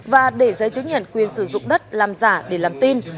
và để giấy chứng nhận quyền sử dụng đất làm giả để làm tin